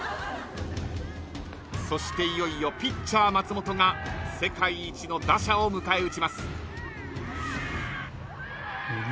［そしていよいよピッチャー松本が世界一の打者を迎え撃ちます］